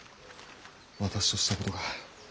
私としたことが。